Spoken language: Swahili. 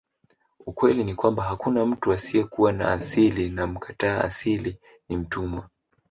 Ukweli ni kwamba hakuna mtu asiyekuwa na asili na mkataa asili ni mtumwa